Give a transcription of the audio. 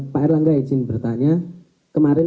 pak erlangga izin bertanya kemarin